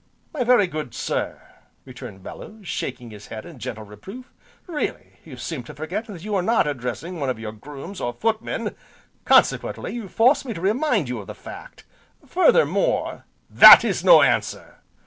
"My very good sir," returned Bellew, shaking his head in gentle reproof, "really, you seem to forget that you are not addressing one of your grooms, or footmen, consequently you force me to remind you of the fact; furthermore, " "That is no answer!"